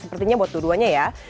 sepertinya buat dua duanya ya